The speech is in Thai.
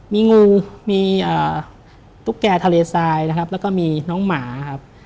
มีงูมีตุ๊กแก่ทะเลทรายนะครับแล้วก็มีน้องหมาครับ